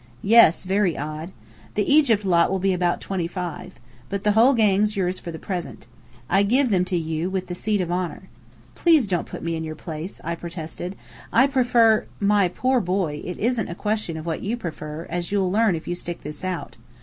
"Yes, very 'odd.' The Egypt lot will be about twenty five. But the whole gang's yours for the present. I give them to you, with the seat of honour." "Please don't put me in your place," I protested. "I prefer " "My poor boy, it isn't a question of what you prefer, as you'll learn if you stick this out.